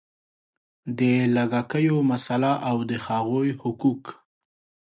د لږکیو مسله او د هغوی حقوق